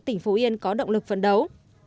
tỉnh phú yên có động lực phấn đấu